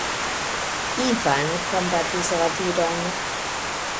Ivan kompatis la viron.